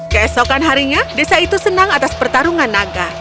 keesokan harinya desa itu senang atas pertarungan naga